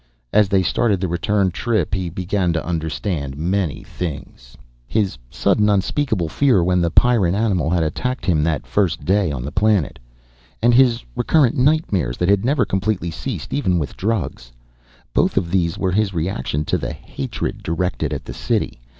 As they started the return trip he began to understand many things. His sudden unspeakable fear when the Pyrran animal had attacked him that first day on the planet. And his recurrent nightmares that had never completely ceased, even with drugs. Both of these were his reaction to the hatred directed at the city.